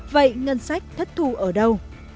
vậy ngân sách thất thu ở đâu